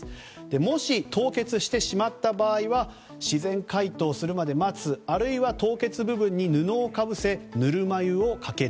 もし、凍結してしまった場合は自然解凍するまで待つあるいは凍結部分に布をかぶせぬるま湯をかける。